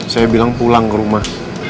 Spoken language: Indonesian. saya bilang pulang ke rumah